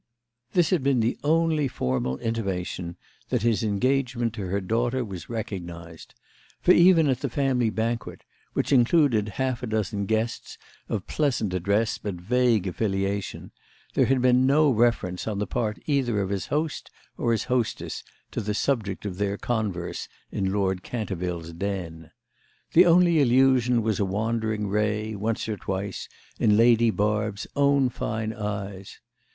This had been the only formal intimation that his engagement to her daughter was recognised; for even at the family banquet, which included half a dozen guests of pleasant address but vague affiliation, there had been no reference on the part either of his host or his hostess to the subject of their converse in Lord Canterville's den. The only allusion was a wandering ray, once or twice, in Lady Barb's own fine eyes.